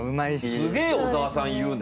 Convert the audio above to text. すげえ小沢さん言うね。